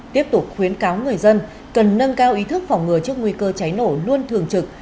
tiếp tục khuyến cáo người dân cần nâng cao ý thức phòng ngừa trước nguy cơ cháy nổ luôn thường trực